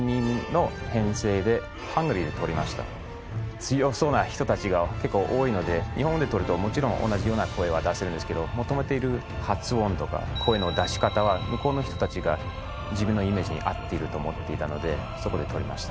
強そうな人たちが結構多いので日本で録るともちろん同じような声は出せるんですけど求めている発音とか声の出し方は向こうの人たちが自分のイメージに合っていると思っていたのでそこで録りました。